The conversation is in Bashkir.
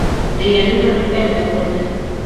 Дөйәнең һөрлөккәне лә күренә.